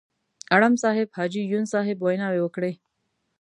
اړم صاحب، حاجي یون صاحب ویناوې وکړې.